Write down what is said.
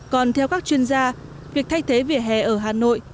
còn theo các chuyên gia việc thay thế vỉa hè ở hà nội